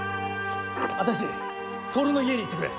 足達透の家に行ってくれ。